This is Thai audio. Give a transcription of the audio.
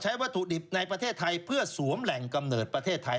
วัตถุดิบในประเทศไทยเพื่อสวมแหล่งกำเนิดประเทศไทย